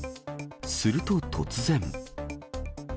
すると突然。